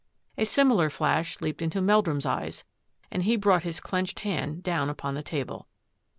A similar flash leaped into Meldrum's eyes, and he brought his clenched hand down upon the table.